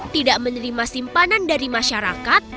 tidak menerima simpanan dari masyarakat